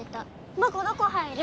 マコどこ入る？